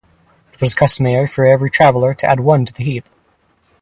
It was customary for every traveler to add one to the heap.